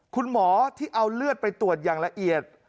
คุณหมอที่เอาเลือดไปตรวจอย่างละเอียด